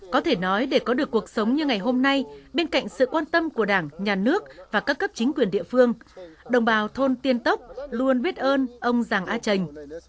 có thể nói để có được cuộc sống như ngày hôm nay bên cạnh sự quan tâm của đảng nhà nước và các cấp chính quyền địa phương đồng bào thôn tiên tốc luôn biết ơn ông giàng a trành